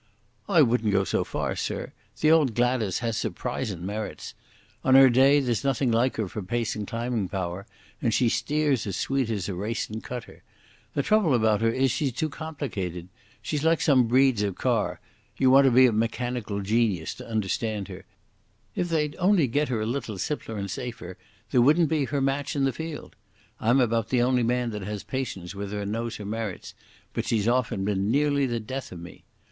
"I wouldn't go so far, sir. The old Gladas has surprisin' merits. On her day there's nothing like her for pace and climbing power, and she steers as sweet as a racin' cutter. The trouble about her is she's too complicated. She's like some breeds of car—you want to be a mechanical genius to understand her.... If they'd only get her a little simpler and safer, there wouldn't be her match in the field. I'm about the only man that has patience with her and knows her merits, but she's often been nearly the death of me.